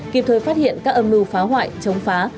kịp thời phát hiện các âm mưu phá hoại chống phá